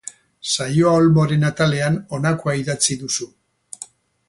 Saioa Olmoren atalean honakoa idatzi duzu.